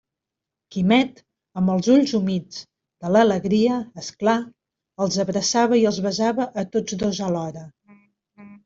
Quimet, amb els ulls humits, de l'alegria, és clar!, els abraçava i els besava a tots dos alhora.